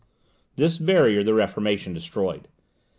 This barrier the Reformation destroyed.